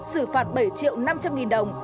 xử phạt bảy triệu năm trăm linh nghìn đồng